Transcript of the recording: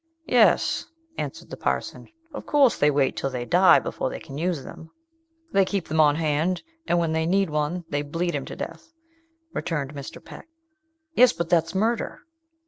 "Yes," answered the parson. "Of course they wait till they die before they can use them." "They keep them on hand, and when they need one they bleed him to death," returned Mr. Peck. "Yes, but that's murder."